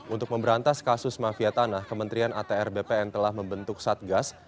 untuk memberantas kasus mafia tanah kementerian atr bpn telah membentuk satgas